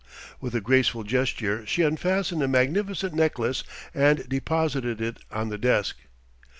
With a graceful gesture she unfastened a magnificent necklace and deposited it on the desk.